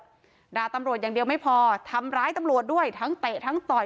ด่าตำรวจอย่างเดียวไม่พอทำร้ายตำรวจด้วยทั้งเตะทั้งต่อย